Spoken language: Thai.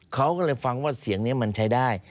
เขาก็เลยฟังว่าเสียงนี้มันใช้ได้